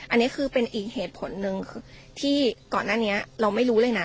อันนี้คือเป็นอีกเหตุผลหนึ่งที่ก่อนหน้านี้เราไม่รู้เลยนะ